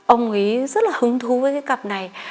ông ý rất là hứng thú với cái cặp này